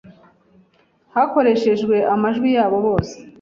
hakoreshejwe amajwi yabo bose,